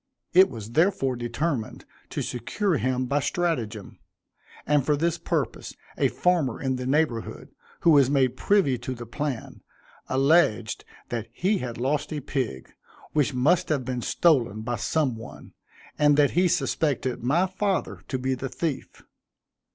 It was therefore determined to secure him by stratagem, and for this purpose, a farmer in the neighborhood, who was made privy to the plan, alleged that he had lost a pig, which must have been stolen by some one, and that he suspected my father to be the thief.